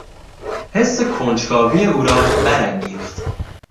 حس کنجکاوی او را برانگیخت.